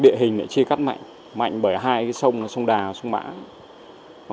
địa hình lại chia cắt mạnh mạnh bởi hai sông sông đà và sông mã